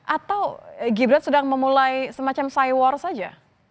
atau gibran sedang memulai semacam cywar saja